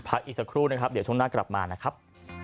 อีกสักครู่นะครับเดี๋ยวช่วงหน้ากลับมานะครับ